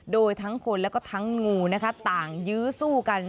โดยทั้งคนแล้วก็ทั้งงูนะคะต่างยื้อสู้กัน